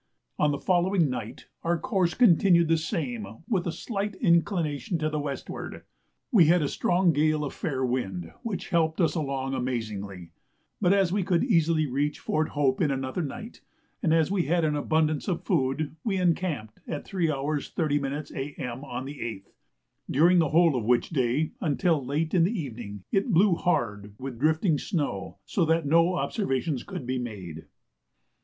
On the following night our course continued the same with a slight inclination to the westward. We had a strong gale of fair wind, which helped us along amazingly; but as we could easily reach Fort Hope in another night, and as we had abundance of food, we encamped at 3h. 30m. A.M. on the 8th, during the whole of which day, until late in the evening, it blew hard with drifting snow, so that no observations could be made.